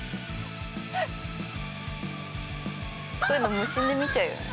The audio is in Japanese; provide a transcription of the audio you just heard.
こういうの無心で見ちゃうよね。